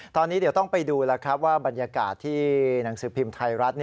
ตอนนี้เดี๋ยวต้องไปดูว่าบรรยากาศที่หนังสือพิมพ์ไทยรัฐ